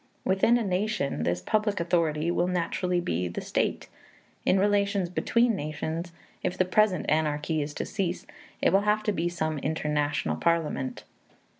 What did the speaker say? Within a nation, this public authority will naturally be the state; in relations between nations, if the present anarchy is to cease, it will have to be some international parliament.